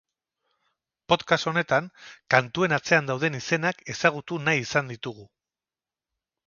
Podcast honetan, kantuen atzean dauden izenak ezagutu nahi izan ditugu.